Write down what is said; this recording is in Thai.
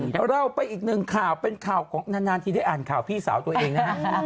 เดี๋ยวเราไปอีกหนึ่งข่าวเป็นข่าวของนานทีได้อ่านข่าวพี่สาวตัวเองนะฮะ